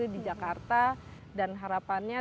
di jakarta dan harapannya